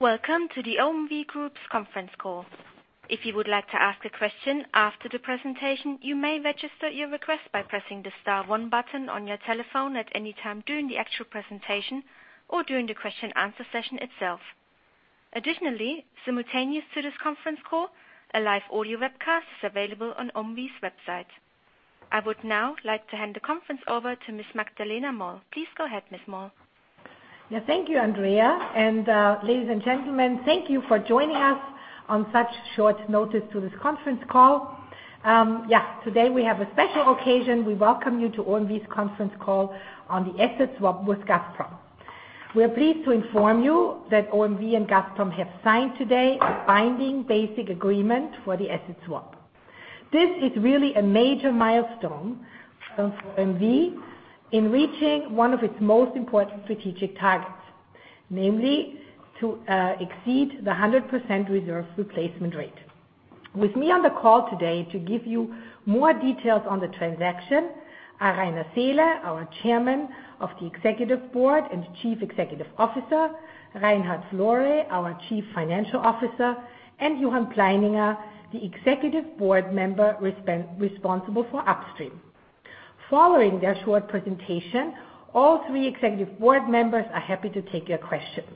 Welcome to the OMV Group's conference call. If you would like to ask a question after the presentation, you may register your request by pressing the star one button on your telephone at any time during the actual presentation or during the question and answer session itself. Additionally, simultaneous to this conference call, a live audio webcast is available on OMV's website. I would now like to hand the conference over to Ms. Magdalena Moll. Please go ahead, Ms. Moll. Yeah, thank you, Andrea. Ladies and gentlemen, thank you for joining us on such short notice to this conference call. Today we have a special occasion. We welcome you to OMV's conference call on the asset swap with Gazprom. We are pleased to inform you that OMV and Gazprom have signed today a binding basic agreement for the asset swap. This is really a major milestone for OMV in reaching one of its most important strategic targets, namely to exceed the 100% reserve replacement rate. With me on the call today to give you more details on the transaction are Rainer Seele, our Chairman of the Executive Board and Chief Executive Officer, Reinhard Florey, our Chief Financial Officer, and Johann Pleininger, the Executive Board Member responsible for Upstream. Following their short presentation, all three Executive Board members are happy to take your questions.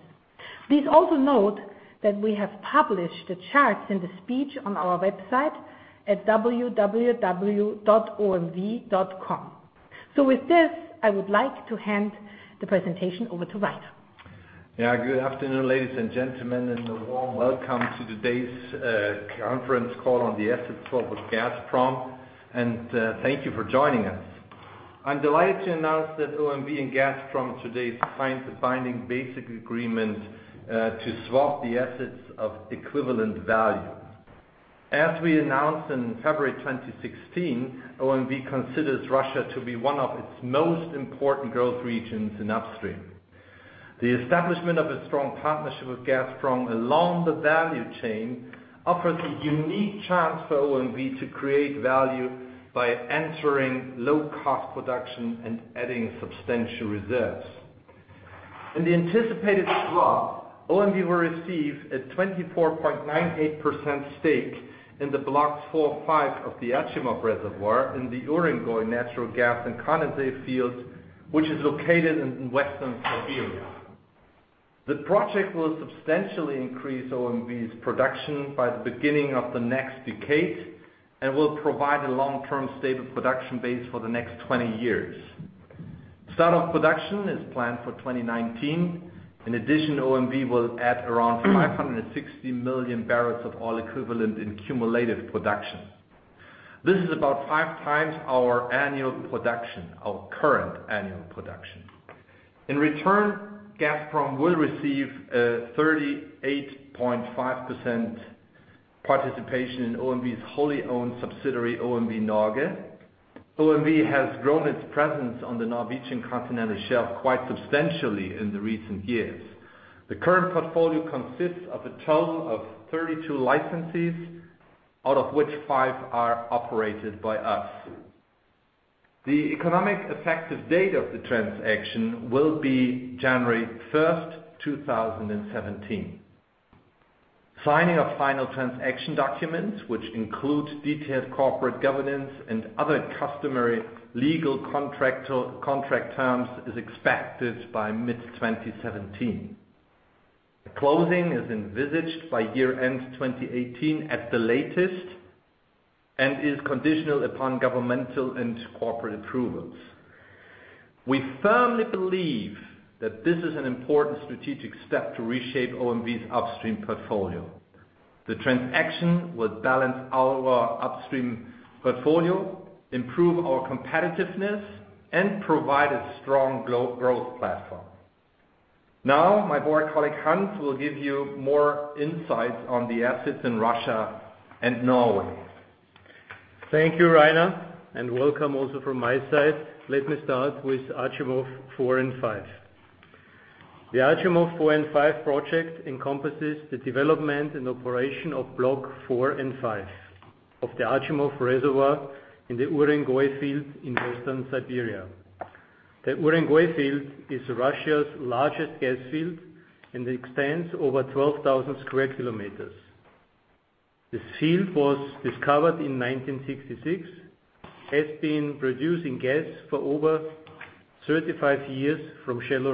Please also note that we have published the charts and the speech on our website at www.omv.com. With this, I would like to hand the presentation over to Rainer. Yeah. Good afternoon, ladies and gentlemen, a warm welcome to today's conference call on the asset swap with Gazprom, and thank you for joining us. I'm delighted to announce that OMV and Gazprom today signed the binding basic agreement to swap the assets of equivalent value. As we announced in February 2016, OMV considers Russia to be one of its most important growth regions in Upstream. The establishment of a strong partnership with Gazprom along the value chain offers a unique chance for OMV to create value by entering low-cost production and adding substantial reserves. In the anticipated swap, OMV will receive a 24.98% stake in the blocks 4 and 5 of the Achimov Reservoir in the Urengoy natural gas condensate field, which is located in Western Siberia. The project will substantially increase OMV's production by the beginning of the next decade and will provide a long-term stable production base for the next 20 years. Start of production is planned for 2019. In addition, OMV will add around 560 million BOE in cumulative production. This is about five times our annual production, our current annual production. In return, Gazprom will receive a 38.5% participation in OMV's wholly owned subsidiary, OMV Norge. OMV has grown its presence on the Norwegian continental shelf quite substantially in the recent years. The current portfolio consists of a total of 32 licenses, out of which five are operated by us. The economic effective date of the transaction will be January 1, 2017. Signing of final transaction documents, which include detailed corporate governance and other customary legal contract terms, is expected by mid-2017. The closing is envisaged by year-end 2018 at the latest and is conditional upon governmental and corporate approvals. We firmly believe that this is an important strategic step to reshape OMV's upstream portfolio. The transaction will balance our upstream portfolio, improve our competitiveness, and provide a strong growth platform. My board colleague, Hans, will give you more insights on the assets in Russia and Norway. Thank you, Rainer. Welcome also from my side. Let me start with Achimov 4 and 5. The Achimov 4 and 5 project encompasses the development and operation of Block 4 and 5 of the Achimov Reservoir in the Ust-Balyksky field in Western Siberia. The Ust-Balyksky field is Russia's largest gas field and extends over 12,000 sq km. This field was discovered in 1966, has been producing gas for over 35 years from shallow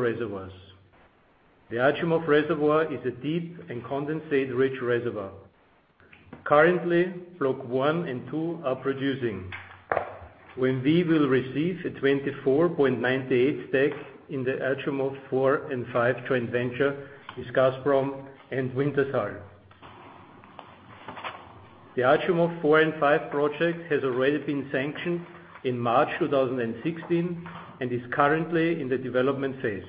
reservoirs. The Achimov Reservoir is a deep and condensate-rich reservoir. Currently, Block 1 and 2 are producing. OMV will receive a 24.98% stake in the Achimov 4 and 5 joint venture with Gazprom and Wintershall. The Achimov 4 and 5 project has already been sanctioned in March 2016 and is currently in the development phase.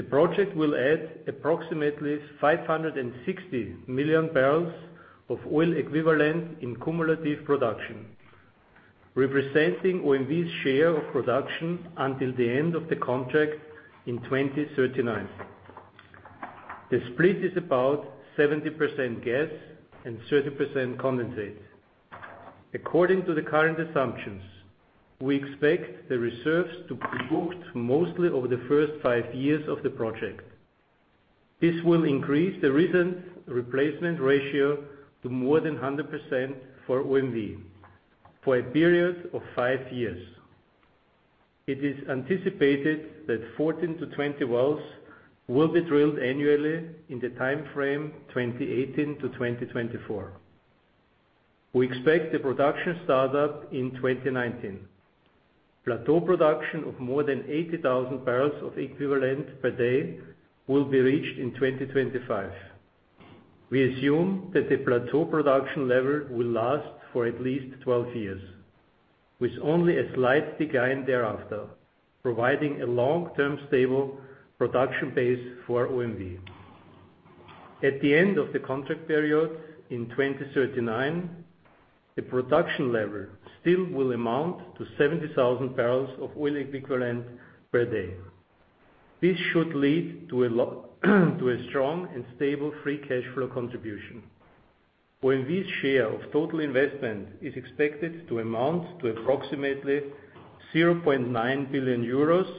The project will add approximately 560 million BOE in cumulative production, representing OMV's share of production until the end of the contract in 2039. The split is about 70% gas and 30% condensate. According to the current assumptions, we expect the reserves to be booked mostly over the first five years of the project. This will increase the reserve replacement rate to more than 100% for OMV for a period of five years. It is anticipated that 14-20 wells will be drilled annually in the timeframe 2018-2024. We expect the production startup in 2019. Plateau production of more than 80,000 BOE per day will be reached in 2025. We assume that the plateau production level will last for at least 12 years, with only a slight decline thereafter, providing a long-term stable production base for OMV. At the end of the contract period in 2039, the production level still will amount to 70,000 barrels of oil equivalent per day. This should lead to a strong and stable free cash flow contribution. OMV's share of total investment is expected to amount to approximately 0.9 billion euros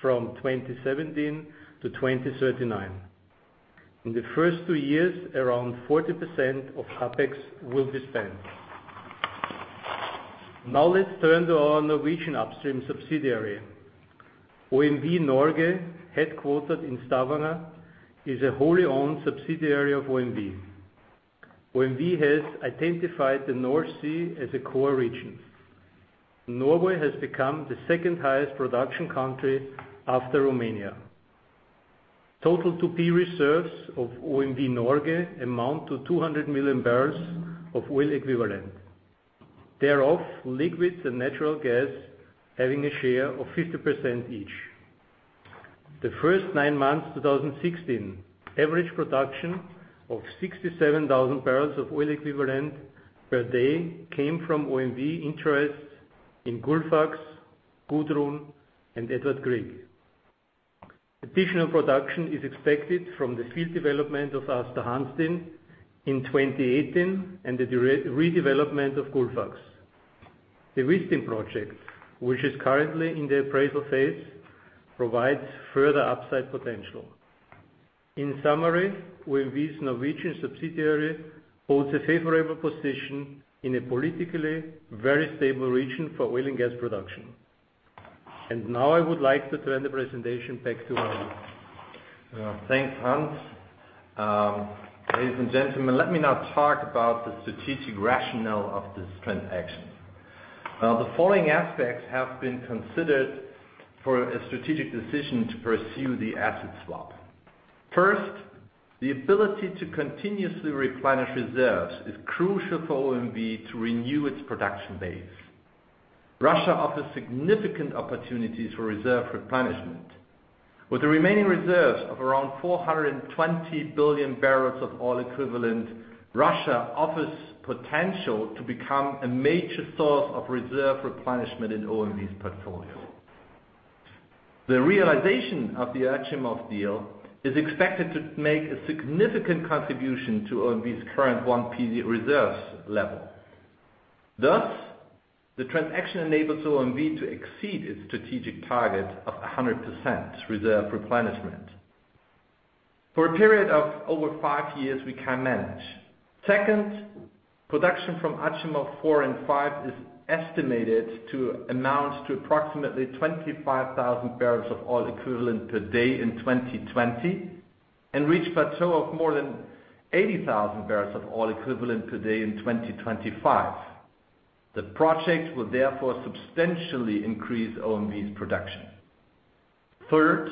from 2017 to 2039. In the first two years, around 40% of CapEx will be spent. Let's turn to our Norwegian Upstream subsidiary. OMV Norge, headquartered in Stavanger, is a wholly owned subsidiary of OMV. OMV has identified the North Sea as a core region. Norway has become the second highest production country after Romania. Total 2P reserves of OMV Norge amount to 200 million barrels of oil equivalent. Thereof, liquids and natural gas having a share of 50% each. The first nine months 2016, average production of 67,000 barrels of oil equivalent per day came from OMV interests in Gullfaks, Gudrun and Edvard Grieg. Additional production is expected from the field development of Aasta Hansteen in 2018 and the redevelopment of Gullfaks. The Wisting project, which is currently in the appraisal phase, provides further upside potential. In summary, OMV's Norwegian subsidiary holds a favorable position in a politically very stable region for oil and gas production. Now I would like to turn the presentation back to Rainer. Thanks, Hans. Ladies and gentlemen, let me now talk about the strategic rationale of this transaction. The following aspects have been considered for a strategic decision to pursue the asset swap. First, the ability to continuously replenish reserves is crucial for OMV to renew its production base. Russia offers significant opportunities for reserve replenishment. With the remaining reserves of around 420 billion barrels of oil equivalent, Russia offers potential to become a major source of reserve replenishment in OMV's portfolio. The realization of the Achimov deal is expected to make a significant contribution to OMV's current 1P reserves level. Thus, the transaction enables OMV to exceed its strategic target of 100% reserve replenishment. For a period of over five years, we can manage. Second, production from Achimov 4 and 5 is estimated to amount to approximately 25,000 barrels of oil equivalent per day in 2020 and reach plateau of more than 80,000 barrels of oil equivalent per day in 2025. The project will therefore substantially increase OMV's production. Third,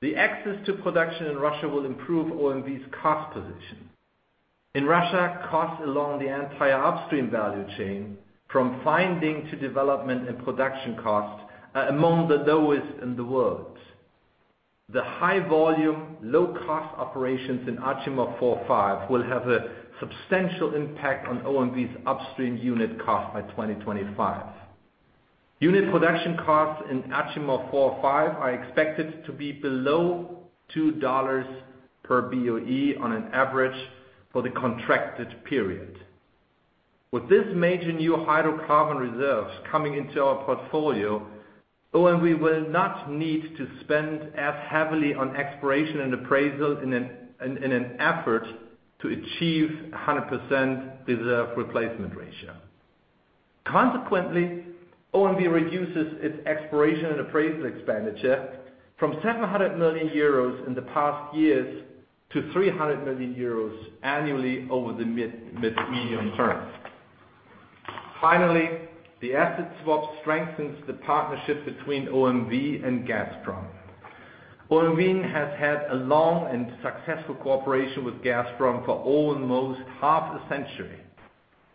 the access to production in Russia will improve OMV's cost position. In Russia, costs along the entire upstream value chain, from finding to development and production costs, are among the lowest in the world. The high volume, low cost operations in Achimov 4, 5 will have a substantial impact on OMV's upstream unit cost by 2025. Unit production costs in Achimov 4, 5 are expected to be below $2 per BOE on an average for the contracted period. With this major new hydrocarbon reserves coming into our portfolio, OMV will not need to spend as heavily on exploration and appraisal in an effort to achieve 100% reserve replacement ratio. Consequently, OMV reduces its exploration and appraisal expenditure from 700 million euros in the past years to 300 million euros annually over the medium term. Finally, the asset swap strengthens the partnership between OMV and Gazprom. OMV has had a long and successful cooperation with Gazprom for almost half a century.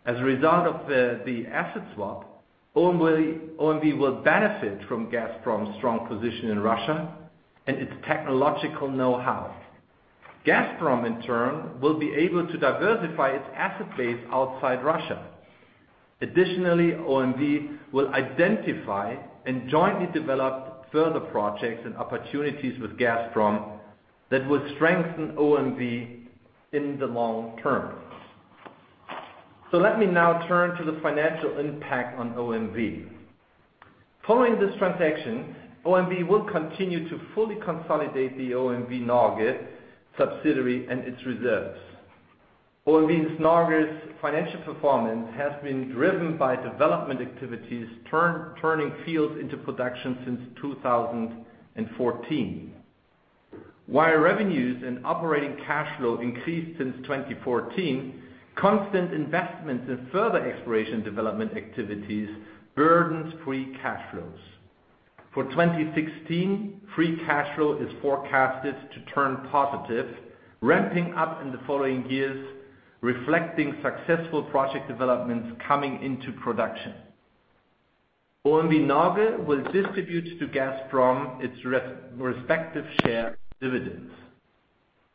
As a result of the asset swap, OMV will benefit from Gazprom's strong position in Russia and its technological knowhow. Gazprom, in turn, will be able to diversify its asset base outside Russia. Additionally, OMV will identify and jointly develop further projects and opportunities with Gazprom. That will strengthen OMV in the long term. Let me now turn to the financial impact on OMV. Following this transaction, OMV will continue to fully consolidate the OMV Norge subsidiary and its reserves. OMV Norge's financial performance has been driven by development activities, turning fields into production since 2014. While revenues and operating cash flow increased since 2014, constant investments in further exploration development activities burdens free cash flows. For 2016, free cash flow is forecasted to turn positive, ramping up in the following years, reflecting successful project developments coming into production. OMV Norge will distribute to Gazprom its respective share dividends.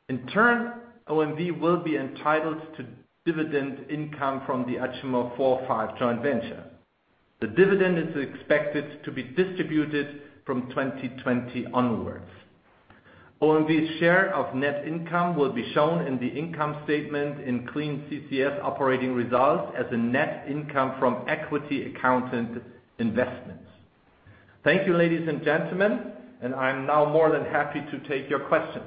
In turn, OMV will be entitled to dividend income from the Achimov 4-5 joint venture. The dividend is expected to be distributed from 2020 onwards. OMV's share of net income will be shown in the income statement in Clean CCS operating results as a net income from equity accounted investments. Thank you, ladies and gentlemen. I'm now more than happy to take your questions.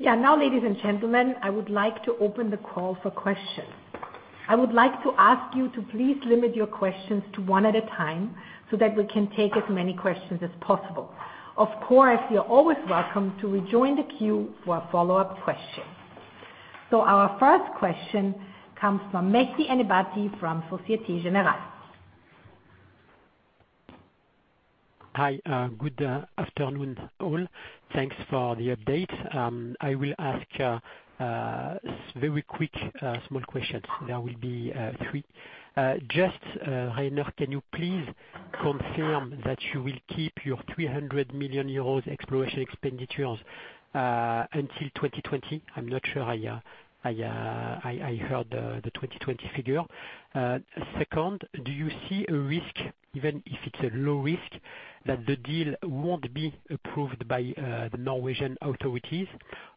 Now, ladies and gentlemen, I would like to open the call for questions. I would like to ask you to please limit your questions to one at a time so that we can take as many questions as possible. Of course, you're always welcome to rejoin the queue for a follow-up question. Our first question comes from Mehdi Ennebati from Societe Generale. Hi. Good afternoon, all. Thanks for the update. I will ask very quick, small questions. There will be three. Just, Rainer, can you please confirm that you will keep your 300 million euros exploration expenditures until 2020? I'm not sure I heard the 2020 figure. Second, do you see a risk, even if it's a low risk, that the deal won't be approved by the Norwegian authorities,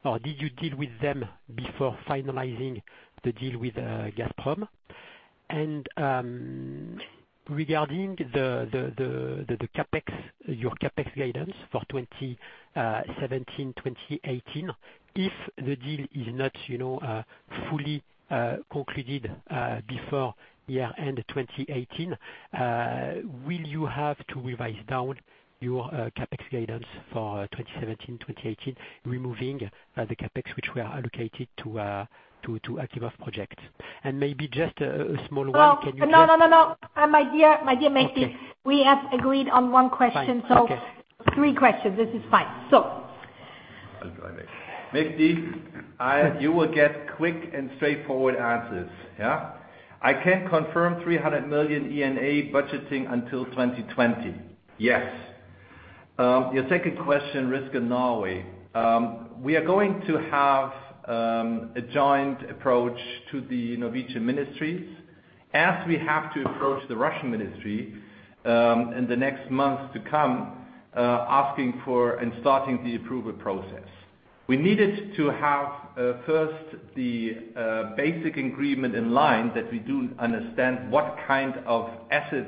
or did you deal with them before finalizing the deal with Gazprom? Regarding your CapEx guidance for 2017, 2018, if the deal is not fully concluded before year-end 2018, will you have to revise down your CapEx guidance for 2017, 2018, removing the CapEx which were allocated to Achimov project? Maybe just a small one. Can you just- Well, no. My dear Mehdi. Okay. We have agreed on one question. Fine. Okay. Three questions. This is fine. Mehdi, you will get quick and straightforward answers. Yeah? I can confirm 300 million E&A budgeting until 2020. Yes. Your second question, risk in Norway. We are going to have a joint approach to the Norwegian ministries, as we have to approach the Russian ministry in the next months to come, asking for and starting the approval process. We needed to have, first, the basic agreement in line that we do understand what kind of asset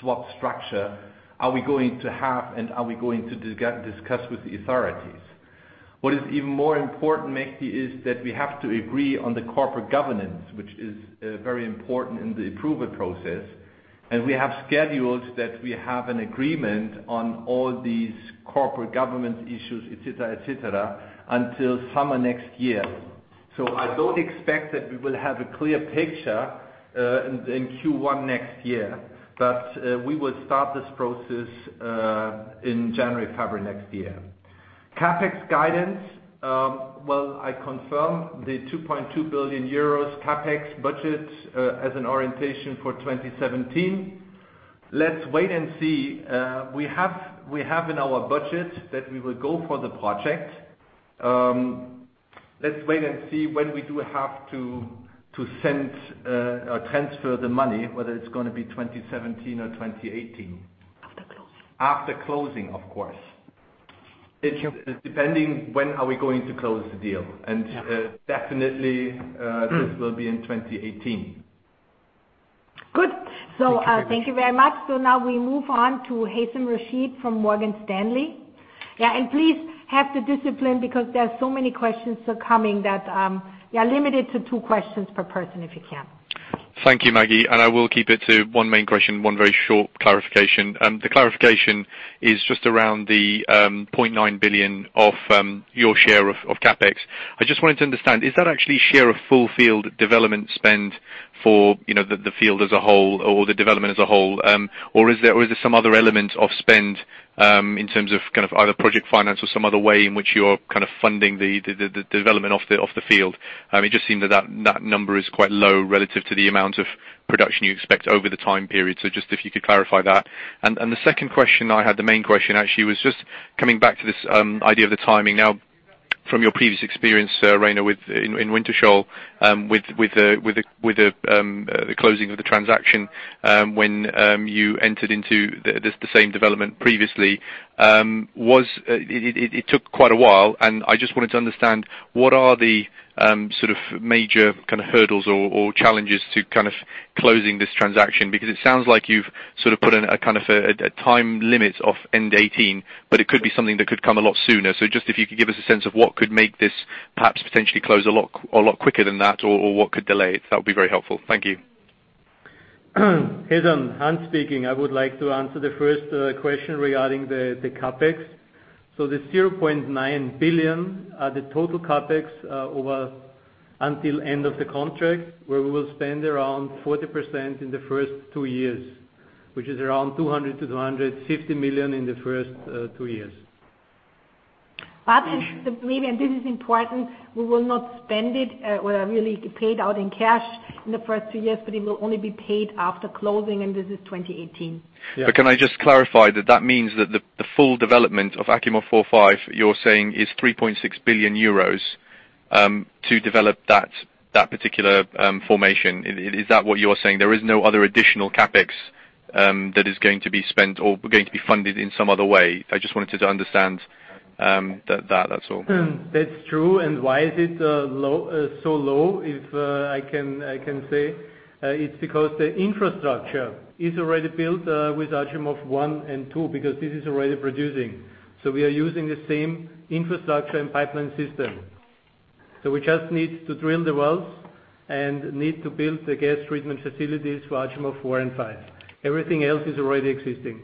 swap structure are we going to have and are we going to discuss with the authorities. What is even more important, Mehdi, is that we have to agree on the corporate governance, which is very important in the approval process, and we have scheduled that we have an agreement on all these corporate governance issues, et cetera, until summer next year. I don't expect that we will have a clear picture in Q1 next year. We will start this process in January, February next year. CapEx guidance. Well, I confirm the 2.2 billion euros CapEx budget as an orientation for 2017. Let's wait and see. We have in our budget that we will go for the project. Let's wait and see when we do have to transfer the money, whether it's going to be 2017 or 2018. After closing. After closing, of course. Thank you. It's depending when are we going to close the deal, definitely this will be in 2018. Good. Thank you very much. Now we move on to Haitham Rashid from Morgan Stanley. Please have the discipline because there are so many questions coming that we are limited to two questions per person if you can. Thank you, Maggie. I will keep it to one main question, one very short clarification. The clarification is just around the 0.9 billion of your share of CapEx. I just wanted to understand, is that actually share of full field development spend for the field as a whole or the development as a whole? Is there some other element of spend, in terms of either project finance or some other way in which you are funding the development of the field? It just seemed that that number is quite low relative to the amount of production you expect over the time period. Just if you could clarify that. The second question I had, the main question actually, was just coming back to this idea of the timing. From your previous experience, Rainer, in Wintershall, with the closing of the transaction when you entered into the same development previously, it took quite a while, and I just wanted to understand what are the major hurdles or challenges to closing this transaction? It sounds like you've put in a time limit of end 2018, but it could be something that could come a lot sooner. Just if you could give us a sense of what could make this perhaps potentially close a lot quicker than that or what could delay it, that would be very helpful. Thank you. Haitham, Hans speaking. I would like to answer the first question regarding the CapEx. The 0.9 billion, the total CapEx over until end of the contract, where we will spend around 40% in the first two years, which is around 200 million-250 million in the first two years. And this is important, we will not spend it or really paid out in cash in the first two years, but it will only be paid after closing, and this is 2018. Can I just clarify that that means that the full development of Achimov-4, 5 you're saying is 3.6 billion euros to develop that particular formation. Is that what you're saying? There is no other additional CapEx that is going to be spent or going to be funded in some other way. I just wanted to understand that. That's all. That's true. Why is it so low? If I can say, it's because the infrastructure is already built with Achimov-1 and 2, because this is already producing. We are using the same infrastructure and pipeline system. We just need to drill the wells and need to build the gas treatment facilities for Achimov-4 and 5. Everything else is already existing.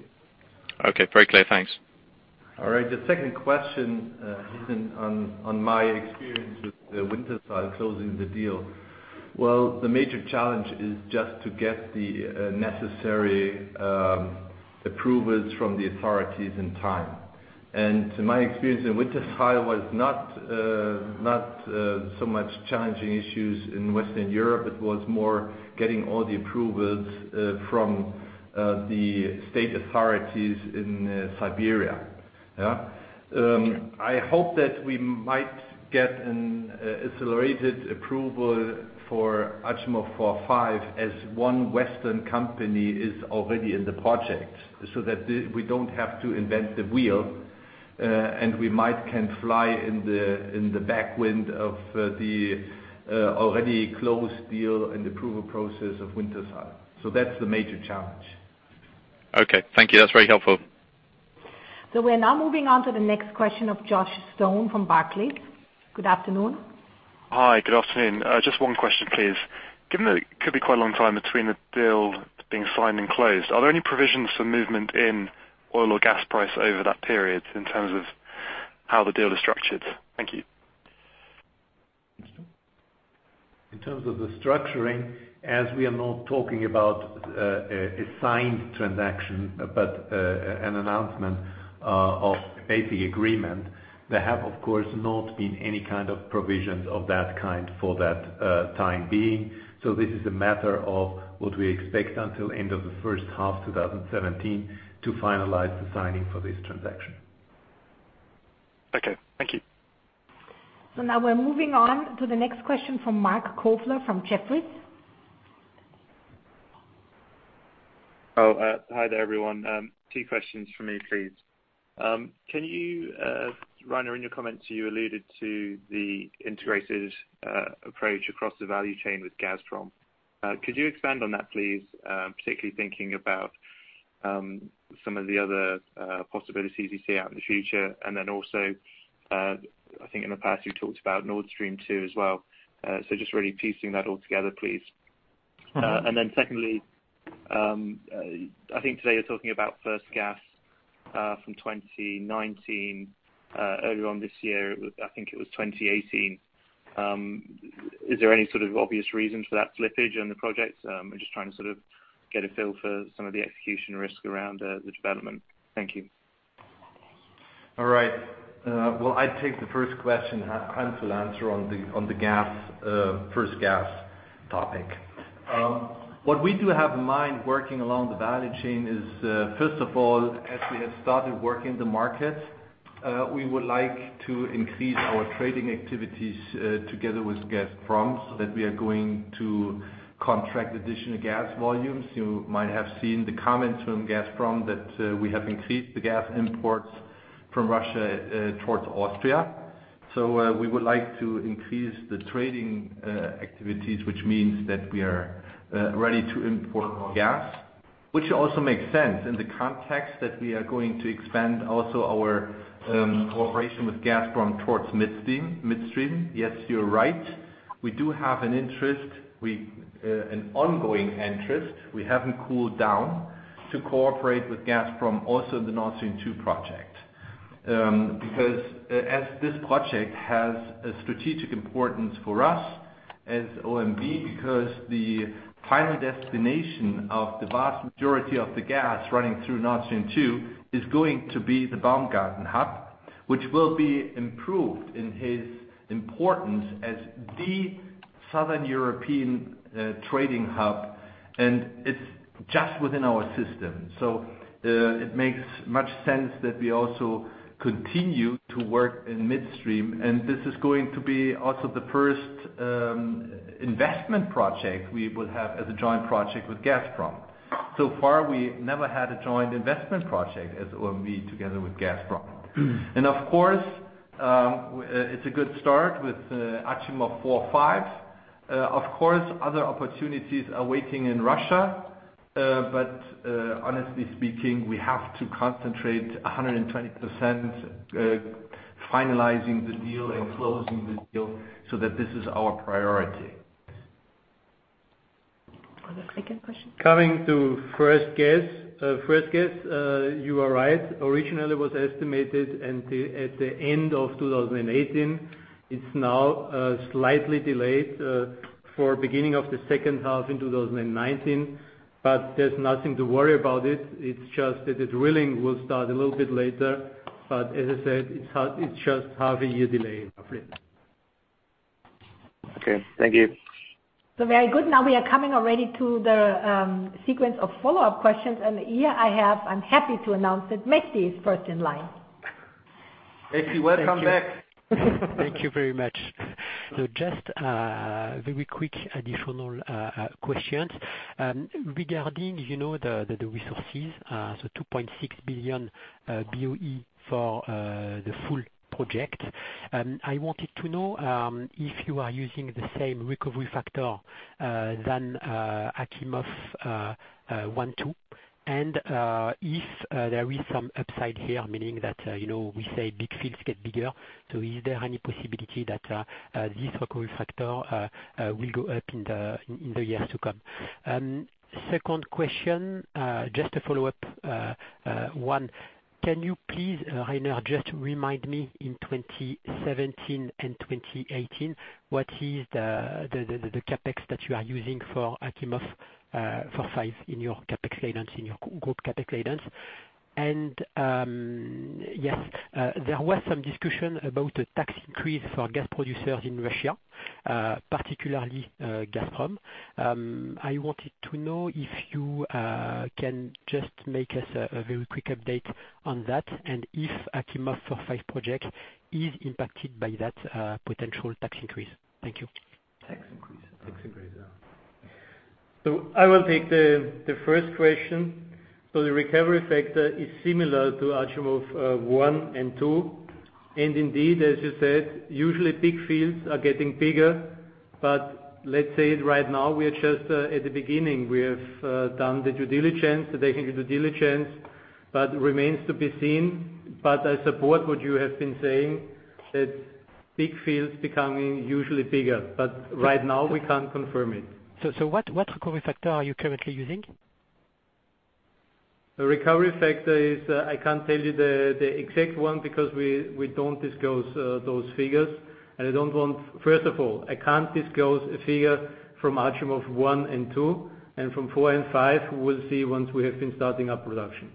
Okay, very clear. Thanks. All right, the second question is on my experience with the Wintershall closing the deal. Well, the major challenge is just to get the necessary approvals from the authorities in time. My experience in Wintershall was not so much challenging issues in Western Europe. It was more getting all the approvals from the state authorities in Siberia. I hope that we might get an accelerated approval for Achimov-4, 5 as one Western company is already in the project, so that we don't have to invent the wheel, and we might can fly in the tailwind of the already closed deal and approval process of Wintershall. That's the major challenge. Okay. Thank you. That's very helpful. We are now moving on to the next question of Josh Stone from Barclays. Good afternoon. Hi, good afternoon. Just one question, please. Given that it could be quite a long time between the deal being signed and closed, are there any provisions for movement in oil or gas price over that period in terms of how the deal is structured? Thank you. In terms of the structuring, as we are not talking about a signed transaction, but an announcement of basic agreement, there have, of course, not been any kind of provisions of that kind for that time being. This is a matter of what we expect until end of the first half 2017 to finalize the signing for this transaction. Okay. Thank you. Now we're moving on to the next question from Marc Kofler from Jefferies. Oh, hi there, everyone. Two questions from me, please. Rainer, in your comments, you alluded to the integrated approach across the value chain with Gazprom. Could you expand on that, please, particularly thinking about some of the other possibilities you see out in the future? Also, I think in the past you talked about Nord Stream 2 as well. Just really piecing that all together, please. Secondly, I think today you're talking about first gas from 2019. Earlier on this year, I think it was 2018. Is there any sort of obvious reason for that slippage on the project? I'm just trying to get a feel for some of the execution risk around the development. Thank you. All right. Well, I take the first question, Hans will answer on the first gas topic. What we do have in mind working along the value chain is, first of all, as we have started working the market, we would like to increase our trading activities together with Gazprom, that we are going to contract additional gas volumes. You might have seen the comments from Gazprom that we have increased the gas imports from Russia towards Austria. We would like to increase the trading activities, which means that we are ready to import more gas, which also makes sense in the context that we are going to expand also our cooperation with Gazprom towards midstream. Yes, you're right, we do have an ongoing interest, we haven't cooled down to cooperate with Gazprom also in the Nord Stream 2 project. As this project has a strategic importance for us as OMV, because the final destination of the vast majority of the gas running through Nord Stream 2 is going to be the Baumgarten hub, which will be improved in its importance as the Southern European trading hub It's just within our system. It makes much sense that we also continue to work in midstream, this is going to be also the first investment project we will have as a joint project with Gazprom. So far, we never had a joint investment project as OMV together with Gazprom. Of course, it's a good start with Achimov-4, 5. Of course, other opportunities are waiting in Russia. Honestly speaking, we have to concentrate 120% finalizing the deal and closing the deal so that this is our priority. On the second question. Coming to first gas. First gas, you are right, originally was estimated at the end of 2018. It's now slightly delayed for beginning of the second half in 2019, there's nothing to worry about it. It's just that the drilling will start a little bit later. As I said, it's just half a year delay roughly. Okay. Thank you. Very good. Now we are coming already to the sequence of follow-up questions. I'm happy to announce that Mehdi is first in line. Mehdi, welcome back. Thank you very much. Just a very quick additional questions. Regarding the resources, 2.6 billion BOE for the full project. I wanted to know if you are using the same recovery factor than Achimov-1, 2, and if there is some upside here, meaning that we say big fields get bigger. Is there any possibility that this recovery factor will go up in the years to come? Second question, just a follow-up. One, can you please, Rainer, just remind me in 2017 and 2018, what is the CapEx that you are using for Achimov-4, 5 in your CapEx guidance, in your group CapEx guidance? Yes, there was some discussion about a tax increase for gas producers in Russia, particularly Gazprom. I wanted to know if you can just make us a very quick update on that and if Achimov-4, 5 projects is impacted by that potential tax increase. Thank you. Tax increase. Tax increase. I will take the first question. The recovery factor is similar to Achimov-1 and 2. Indeed, as you said, usually big fields are getting bigger. Let's say right now we are just at the beginning. We have done the due diligence, the technical due diligence, but remains to be seen. I support what you have been saying that big fields becoming usually bigger. Right now we can't confirm it. What recovery factor are you currently using? The recovery factor is, I can't tell you the exact one because we don't disclose those figures. First of all, I can't disclose a figure from Achimov-1 and 2, and from 4 and 5, we'll see once we have been starting up production.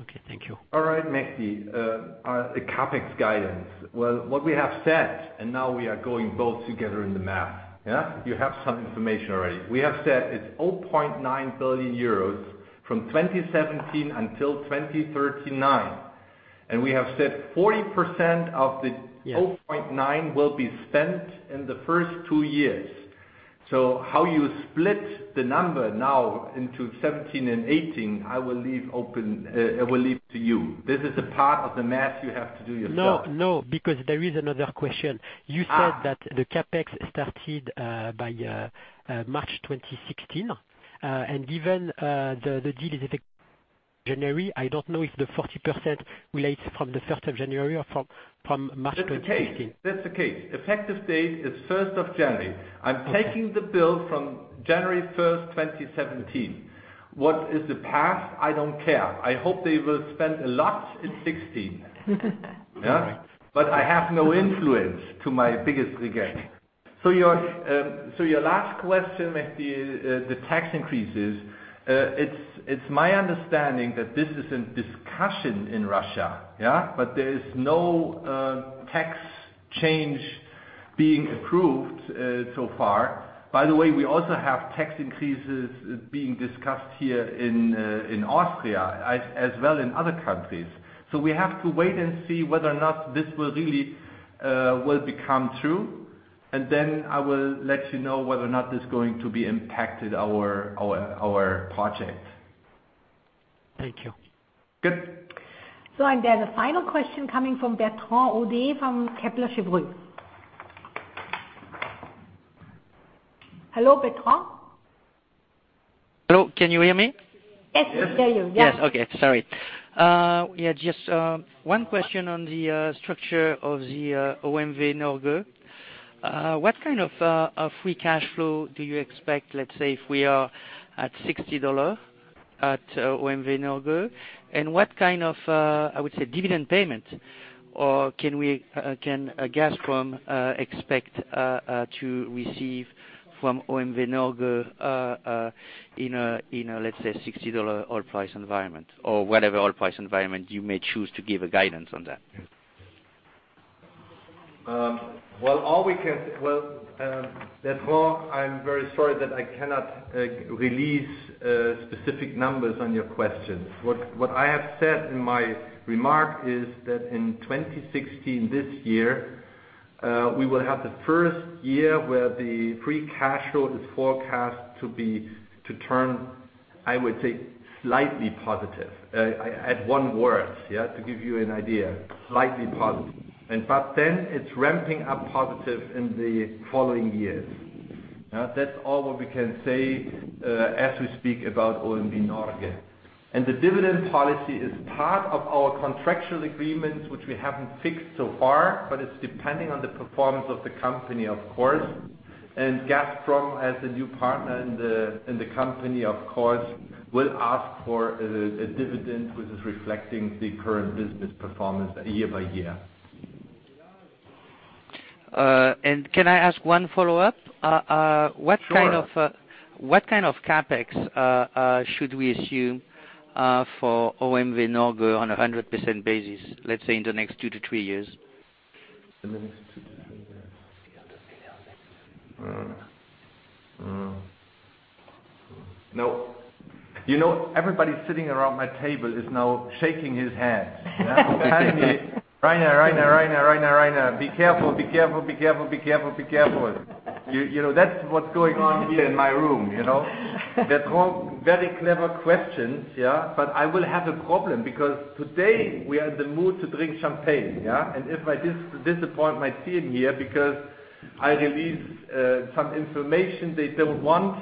Okay. Thank you. All right, Mehdi. The CapEx guidance. Well, what we have said, and now we are going both together in the math. Yeah? You have some information already. We have said it is 0.9 billion euros from 2017 until 2039, and we have said 40%. Yes 0.9 will be spent in the first two years. How you split the number now into 2017 and 2018, I will leave to you. This is a part of the math you have to do yourself. No, because there is another question. You said that the CapEx started by March 2016. Given the deal is effective January, I don't know if the 40% relates from the 1st of January or from March 2016. That's the case. Effective date is 1st of January. Okay. I'm taking the bill from January 1st, 2017. What is the past? I don't care. I hope they will spend a lot in 2016. Correct. I have no influence to my biggest regret. Your last question, Mehdi, the tax increases. It's my understanding that this is in discussion in Russia. Yeah? There is no tax change being approved so far. By the way, we also have tax increases being discussed here in Austria, as well in other countries. We have to wait and see whether or not this will really become true, and then I will let you know whether or not it's going to be impacted our project. Thank you. Good. There's a final question coming from Bertrand Hodee from Kepler Cheuvreux. Hello, Bertrand? Hello, can you hear me? Yes, we hear you. Yeah. Yes. Okay. Sorry. Yeah, just one question on the structure of the OMV Norge. What kind of free cash flow do you expect, let's say if we are at $60 at OMV Norge? And what kind of, I would say, dividend payment can Gazprom expect to receive from OMV Norge in a, let's say, $60 oil price environment or whatever oil price environment you may choose to give a guidance on that? Bertrand, I'm very sorry that I cannot release specific numbers on your questions. What I have said in my remark is that in 2016, this year, we will have the first year where the free cash flow is forecast to turn, I would say, slightly positive. I add one word, yeah, to give you an idea, slightly positive. It's ramping up positive in the following years. That's all what we can say as we speak about OMV Norge. The dividend policy is part of our contractual agreements, which we haven't fixed so far, but it's depending on the performance of the company, of course. Gazprom as a new partner in the company, of course, will ask for a dividend which is reflecting the current business performance year by year. Can I ask one follow-up? Sure. What kind of CapEx should we assume for OMV Norge on 100% basis, let's say in the next two to three years? Everybody sitting around my table is now shaking his head. Behind me, "Rainer, Rainer, Rainer, be careful, be careful, be careful, be careful, be careful." That's what's going on here in my room. Bertrand, very clever question, but I will have a problem because today we are in the mood to drink champagne. If I disappoint my team here because I release some information they don't want,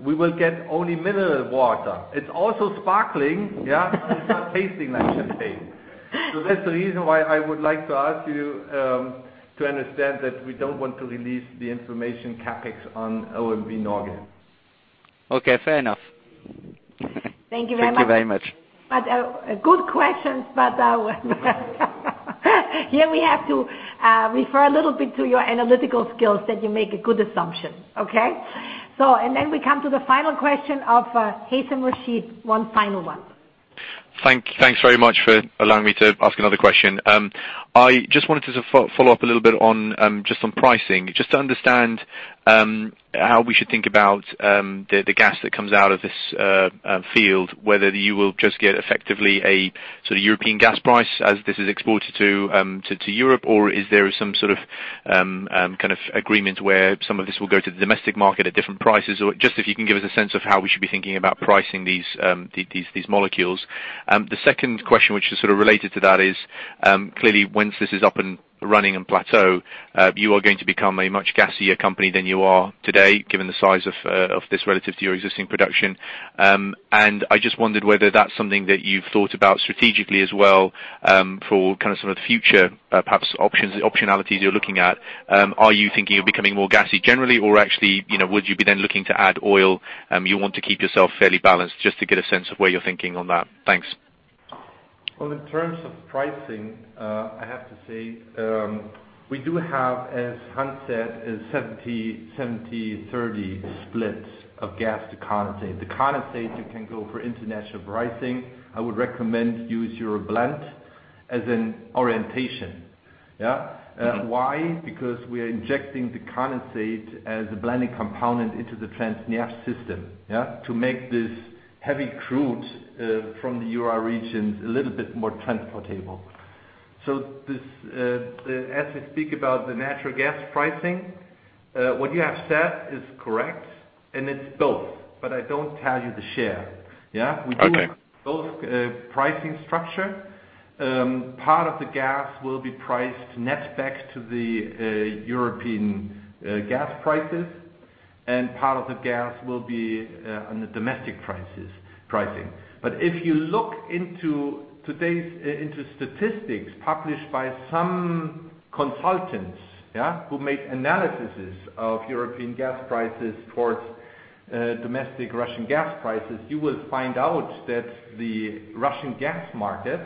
we will get only mineral water. It's also sparkling, but it's not tasting like champagne. That's the reason why I would like to ask you to understand that we don't want to release the information CapEx on OMV Norge. Okay, fair enough. Thank you very much. Thank you very much. Good questions. Here we have to refer a little bit to your analytical skills that you make a good assumption, okay? We come to the final question of Haitham Rashid, one final one. Thanks very much for allowing me to ask another question. I just wanted to follow up a little bit on just on pricing, just to understand how we should think about the gas that comes out of this field, whether you will just get effectively a European gas price as this is exported to Europe, or is there some sort of agreement where some of this will go to the domestic market at different prices? Just if you can give us a sense of how we should be thinking about pricing these molecules. The second question, which is sort of related to that, is clearly once this is up and running and plateau, you are going to become a much gassier company than you are today, given the size of this relative to your existing production. I just wondered whether that's something that you've thought about strategically as well, for some of the future perhaps optionalities you're looking at. Are you thinking of becoming more gassy generally, or actually, would you be then looking to add oil? You want to keep yourself fairly balanced just to get a sense of where you're thinking on that. Thanks. Well, in terms of pricing, I have to say, we do have, as Hans said, a 70/30 split of gas to condensate. The condensate, you can go for international pricing. I would recommend use your blend as an orientation. Why? Because we are injecting the condensate as a blending component into the Transneft system to make this heavy crude from the Ural regions a little bit more transportable. As we speak about the natural gas pricing, what you have said is correct, and it's both, but I don't tell you the share. Okay. We do both pricing structure. Part of the gas will be priced netback to the European gas prices, and part of the gas will be on the domestic pricing. If you look into statistics published by some consultants who make analyses of European gas prices towards domestic Russian gas prices, you will find out that the Russian gas market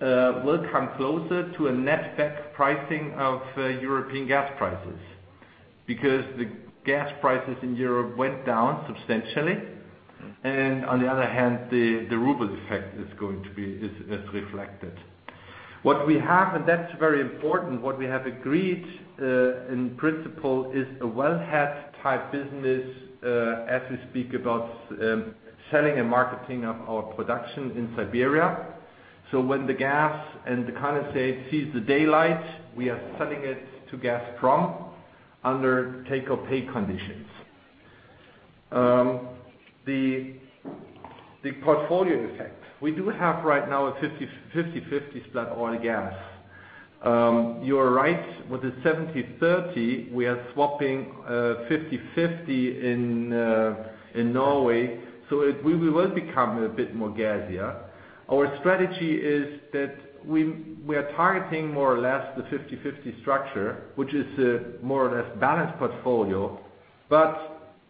will come closer to a netback pricing of European gas prices. The gas prices in Europe went down substantially, and on the other hand, the ruble effect is reflected. What we have, and that's very important, what we have agreed, in principle, is a wellhead type business, as we speak about selling and marketing of our production in Siberia. When the gas and the condensate sees the daylight, we are selling it to Gazprom under take or pay conditions. The portfolio effect. We do have right now a 50/50 split oil and gas. You are right, with the 70/30, we are swapping 50/50 in Norway, we will become a bit more gassier. Our strategy is that we are targeting more or less the 50/50 structure, which is a more or less balanced portfolio.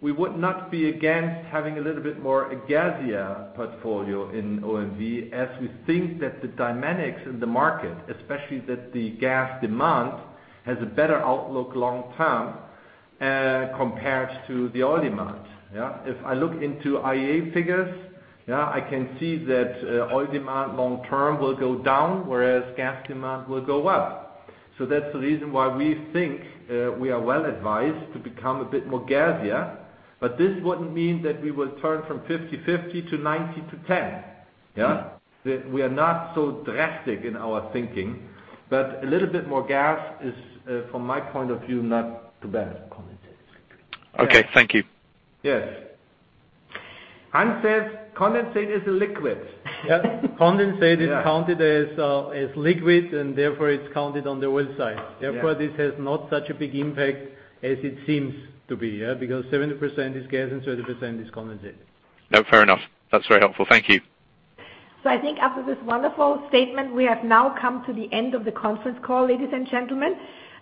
We would not be against having a little bit more a gassier portfolio in OMV as we think that the dynamics in the market, especially that the gas demand, has a better outlook long-term compared to the oil demand. If I look into IEA figures, I can see that oil demand long term will go down, whereas gas demand will go up. That's the reason why we think we are well advised to become a bit more gassier. This wouldn't mean that we will turn from 50/50 to 90/10. We are not so drastic in our thinking, a little bit more gas is, from my point of view, not too bad. Okay. Thank you. Yes. Hans says condensate is a liquid. Yes. Condensate is counted as liquid, and therefore it's counted on the oil side. Therefore, this has not such a big impact as it seems to be. Because 70% is gas and 30% is condensate. No, fair enough. That's very helpful. Thank you. I think after this wonderful statement, we have now come to the end of the conference call, ladies and gentlemen.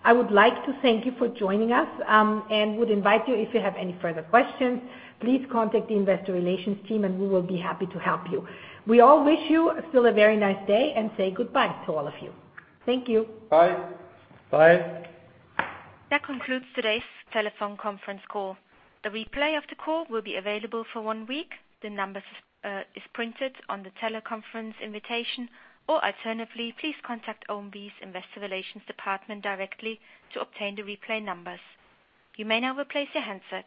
I would like to thank you for joining us, and would invite you, if you have any further questions, please contact the investor relations team and we will be happy to help you. We all wish you still a very nice day and say goodbye to all of you. Thank you. Bye. Bye. That concludes today's telephone conference call. The replay of the call will be available for one week. The number is printed on the teleconference invitation, or alternatively, please contact OMV's Investor Relations Department directly to obtain the replay numbers. You may now replace your handsets.